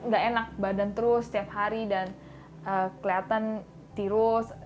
gak enak badan terus setiap hari dan kelihatan tirus